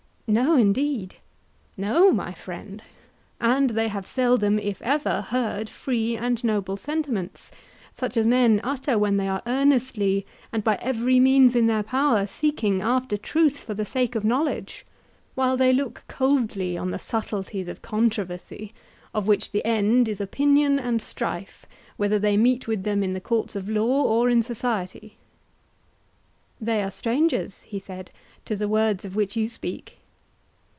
No indeed. No, my friend, and they have seldom, if ever, heard free and noble sentiments; such as men utter when they are earnestly and by every means in their power seeking after truth for the sake of knowledge, while they look coldly on the subtleties of controversy, of which the end is opinion and strife, whether they meet with them in the courts of law or in society. They are strangers, he said, to the words of which you speak.